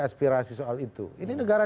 aspirasi soal itu ini negara